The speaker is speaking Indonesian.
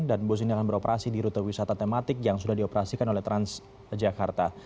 dan bus ini akan beroperasi di rute wisata tematik yang sudah dioperasikan oleh transjakarta